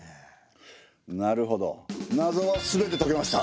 なるほどなぞは全て解けました。